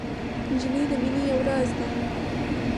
نجلۍ د مینې یو راز ده.